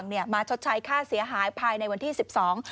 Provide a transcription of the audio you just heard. เนี่ยมาชดใช้ค่าเสียหายภายในวันที่สิบสอง